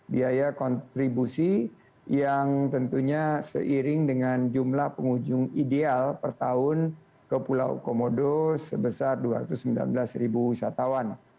biaya kontribusi yang tentunya seiring dengan jumlah pengunjung ideal per tahun ke pulau komodo sebesar dua ratus sembilan belas ribu wisatawan